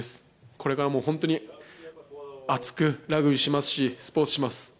これからも本当に、熱くラグビーしますし、スポーツします。